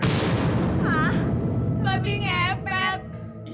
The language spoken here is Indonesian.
hah babi ngefek